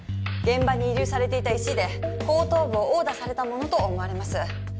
現場に遺留されていた石で後頭部を殴打されたものと思われます。